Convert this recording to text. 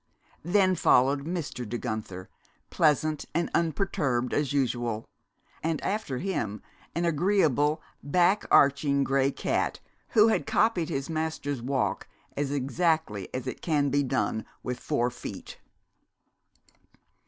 Then followed Mr. De Guenther, pleasant and unperturbed as usual, and after him an agreeable, back arching gray cat, who had copied his master's walk as exactly as it can be done with four feet.